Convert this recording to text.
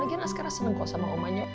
lagi kan askara seneng kok sama omanya